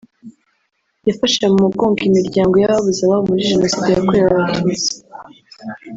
yafashe mu mugongo imiryango y’ababuze ababo muri Jenoside yakorewe Abatutsi